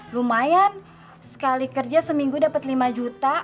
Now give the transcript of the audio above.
lumayan sekali kerja seminggu dapat lima juta